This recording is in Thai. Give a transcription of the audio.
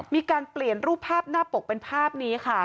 มีการเปลี่ยนรูปภาพหน้าปกเป็นภาพนี้ค่ะ